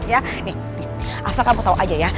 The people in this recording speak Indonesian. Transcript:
nih asal kamu tau aja ya